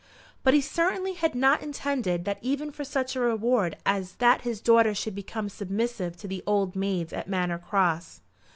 But he certainly had not intended that even for such a reward as that his daughter should become submissive to the old maids at Manor Cross.